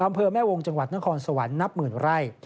อำเภอแม่วงจังหวัดนครสวรรค์นับหมื่นไร่